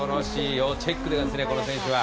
要チェックですね、この選手は。